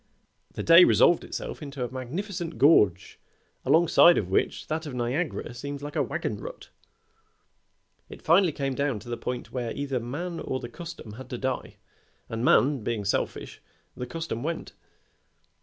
The day resolved itself into a magnificent gorge alongside of which that of Niagara seems like a wagon rut. It finally came down to the point where either man or the custom had to die, and man being selfish, the custom went.